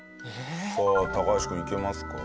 さあ橋君いけますか？